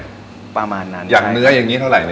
คือใช้ของที่ดีแต่ราคาไม่แพง